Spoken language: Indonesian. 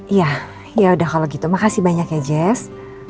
iya yaudah kalau gitu makasih banyak ya jazz